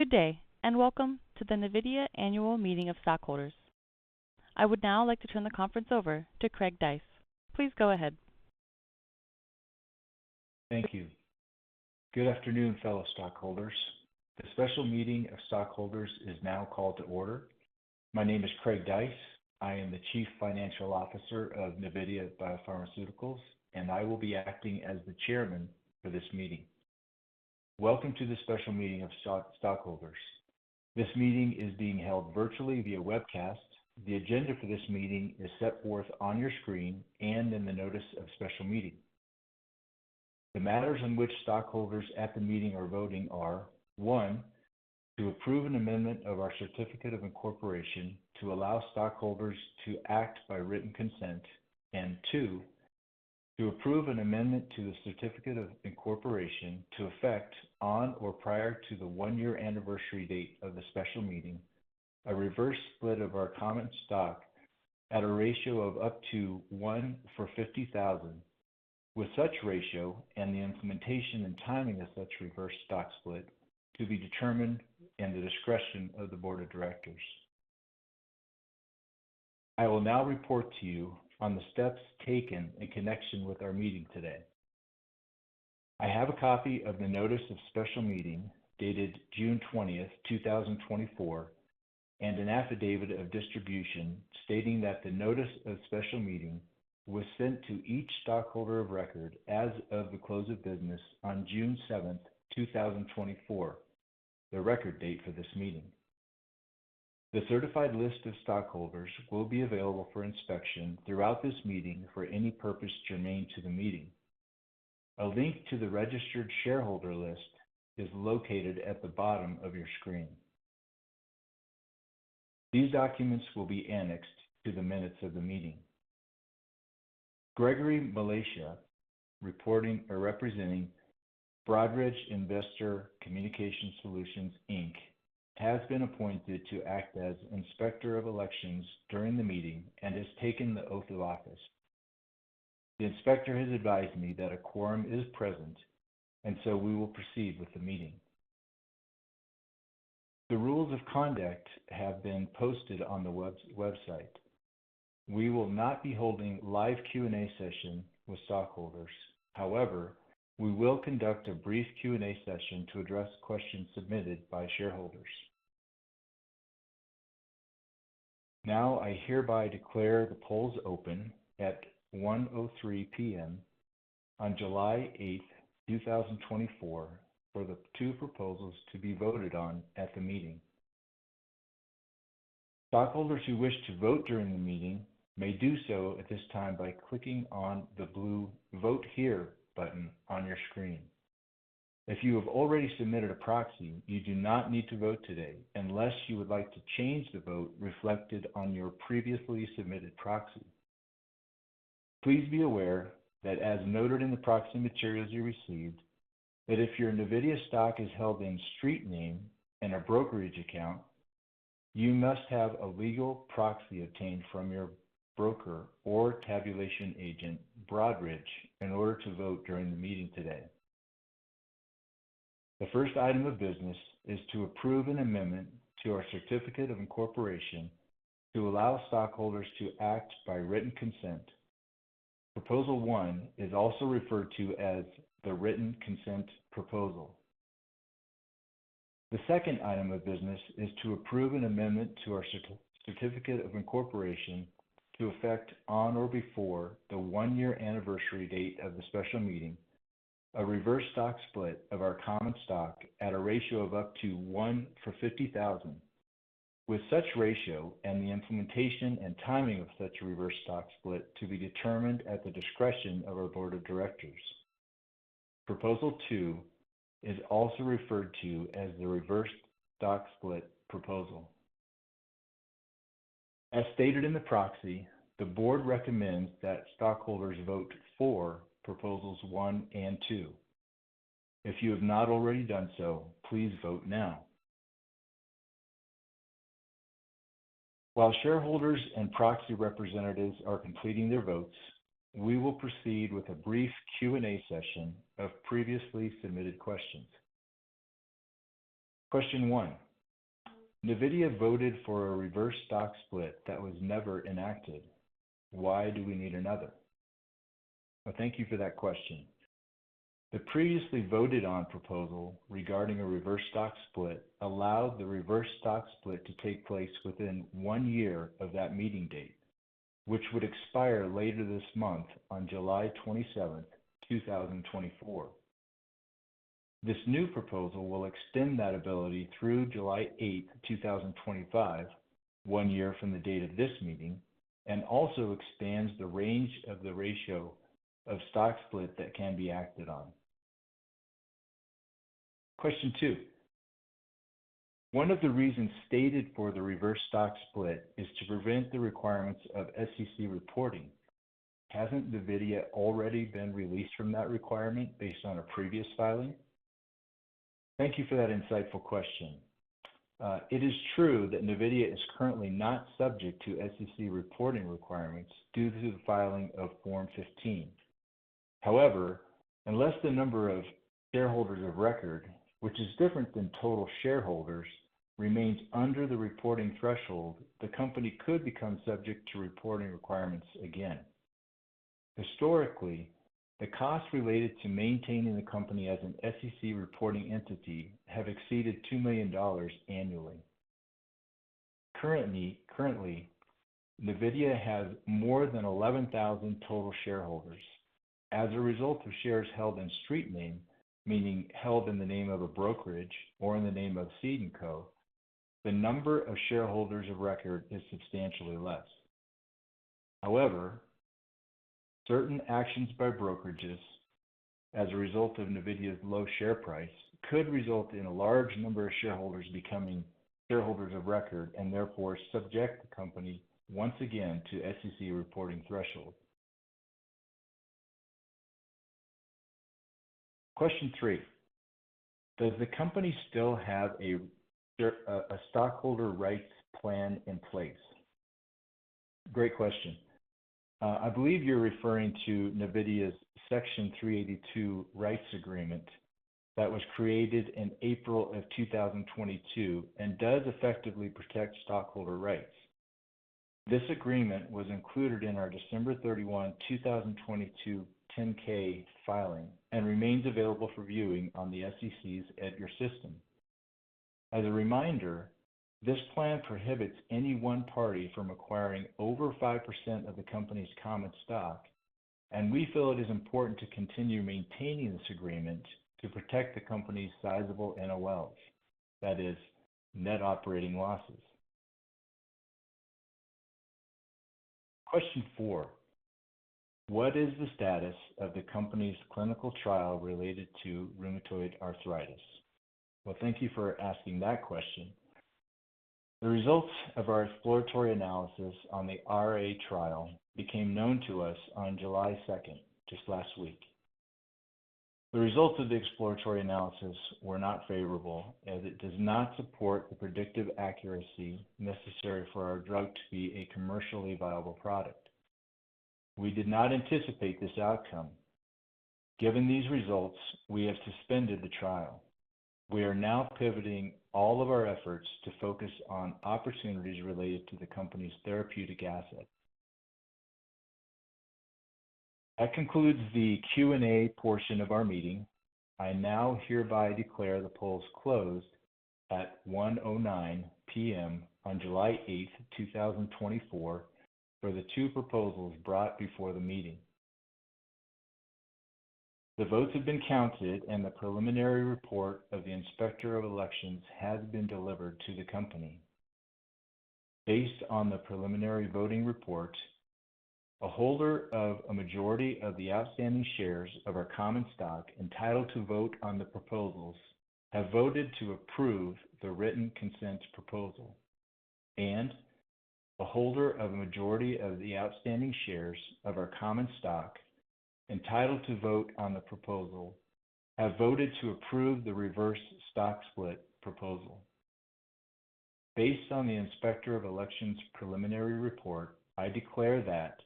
Good day, and welcome to the Navidea Annual Meeting of Stockholders. I would now like to turn the conference over to Craig Dais. Please go ahead. Thank you. Good afternoon, fellow stockholders. The special meeting of stockholders is now called to order. My name is Craig Dais. I am the Chief Financial Officer of Navidea Biopharmaceuticals, and I will be acting as the chairman for this meeting. Welcome to this special meeting of stockholders. This meeting is being held virtually via webcast. The agenda for this meeting is set forth on your screen and in the notice of special meeting. The matters in which stockholders at the meeting are voting are: 1, to approve an amendment of our Certificate of Incorporation to allow stockholders to act by Written Consent, and 2, to approve an amendment to the Certificate of Incorporation to effect on or prior to the 1-year anniversary date of the special meeting, a Reverse Stock Split of our common stock at a ratio of up to 1-for-50,000, with such ratio and the implementation and timing of such Reverse Stock Split to be determined in the discretion of the Board of Directors. I will now report to you on the steps taken in connection with our meeting today. I have a copy of the notice of special meeting dated June twentieth, two thousand and twenty-four, and an affidavit of distribution stating that the notice of special meeting was sent to each stockholder of record as of the close of business on June seventh, two thousand and twenty-four, the record date for this meeting. The certified list of stockholders will be available for inspection throughout this meeting for any purpose germane to the meeting. A link to the registered shareholder list is located at the bottom of your screen. These documents will be annexed to the minutes of the meeting. Gregory Malizia, reporting or representing Broadridge Investor Communication Solutions, Inc., has been appointed to act as Inspector of Elections during the meeting and has taken the oath of office. The inspector has advised me that a quorum is present, and so we will proceed with the meeting. The rules of conduct have been posted on the website. We will not be holding live Q&A session with stockholders. However, we will conduct a brief Q&A session to address questions submitted by shareholders. Now, I hereby declare the polls open at 1:03 P.M. on July eighth, 2024, for the two proposals to be voted on at the meeting. Stockholders who wish to vote during the meeting may do so at this time by clicking on the blue Vote Here button on your screen. If you have already submitted a proxy, you do not need to vote today unless you would like to change the vote reflected on your previously submitted proxy. Please be aware that as noted in the proxy materials you received, that if your Navidea stock is held in street name in a brokerage account, you must have a legal proxy obtained from your broker or tabulation agent, Broadridge, in order to vote during the meeting today. The first item of business is to approve an amendment to our certificate of incorporation to allow stockholders to act by written consent. Proposal one is also referred to as the written consent proposal. The second item of business is to approve an amendment to our certificate of incorporation to effect on or before the 1-year anniversary date of the special meeting, a reverse stock split of our common stock at a ratio of up to 1-for-50,000, with such ratio and the implementation and timing of such a reverse stock split to be determined at the discretion of our board of directors. Proposal two is also referred to as the reverse stock split proposal. As stated in the proxy, the board recommends that stockholders vote for proposals one and two. If you have not already done so, please vote now. While shareholders and proxy representatives are completing their votes, we will proceed with a brief Q&A session of previously submitted questions. Question one: Navidea voted for a reverse stock split that was never enacted. Why do we need another? Well, thank you for that question. The previously voted on proposal regarding a reverse stock split allowed the reverse stock split to take place within one year of that meeting date, which would expire later this month on July 27, 2024. This new proposal will extend that ability through July 8, 2025, one year from the date of this meeting, and also expands the range of the ratio of stock split that can be acted on. Question 2: One of the reasons stated for the reverse stock split is to prevent the requirements of SEC reporting. Hasn't Navidea already been released from that requirement based on a previous filing? Thank you for that insightful question. It is true that Navidea is currently not subject to SEC reporting requirements due to the filing of Form 15.... However, unless the number of shareholders of record, which is different than total shareholders, remains under the reporting threshold, the company could become subject to reporting requirements again. Historically, the costs related to maintaining the company as an SEC reporting entity have exceeded $2 million annually. Currently, Navidea has more than 11,000 total shareholders. As a result of shares held in street name, meaning held in the name of a brokerage or in the name of Cede & Co., the number of shareholders of record is substantially less. However, certain actions by brokerages as a result of Navidea's low share price could result in a large number of shareholders becoming shareholders of record, and therefore subject the company once again to SEC reporting threshold. Question three: Does the company still have a stockholder rights plan in place? Great question. I believe you're referring to Navidea's Section 382 Rights Agreement that was created in April 2022 and does effectively protect stockholder rights. This agreement was included in our December 31, 2022, 10-K filing and remains available for viewing on the SEC's EDGAR system. As a reminder, this plan prohibits any one party from acquiring over 5% of the company's common stock, and we feel it is important to continue maintaining this agreement to protect the company's sizable NOLs, that is, net operating losses. Question 4: What is the status of the company's clinical trial related to rheumatoid arthritis? Well, thank you for asking that question. The results of our exploratory analysis on the RA trial became known to us on July 2, just last week. The results of the exploratory analysis were not favorable, as it does not support the predictive accuracy necessary for our drug to be a commercially viable product. We did not anticipate this outcome. Given these results, we have suspended the trial. We are now pivoting all of our efforts to focus on opportunities related to the company's therapeutic asset. That concludes the Q&A portion of our meeting. I now hereby declare the polls closed at 1:09 P.M. on July eighth, 2024, for the two proposals brought before the meeting. The votes have been counted, and the preliminary report of the Inspector of Elections has been delivered to the company. Based on the preliminary voting report, a holder of a majority of the outstanding shares of our common stock entitled to vote on the proposals, have voted to approve the Written Consent proposal. A holder of a majority of the outstanding shares of our common stock entitled to vote on the proposal have voted to approve the Reverse Stock Split proposal. Based on the Inspector of Elections' preliminary report, I declare that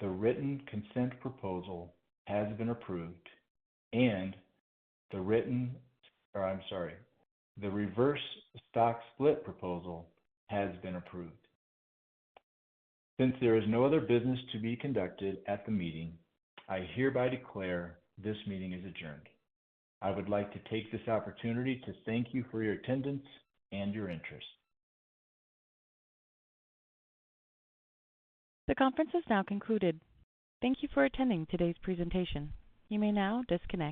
the Written Consent proposal has been approved and the written... Oh, I'm sorry, the Reverse Stock Split proposal has been approved. Since there is no other business to be conducted at the meeting, I hereby declare this meeting is adjourned. I would like to take this opportunity to thank you for your attendance and your interest. The conference is now concluded. Thank you for attending today's presentation. You may now disconnect.